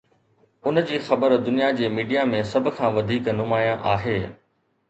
ان جي خبر دنيا جي ميڊيا ۾ سڀ کان وڌيڪ نمايان آهي.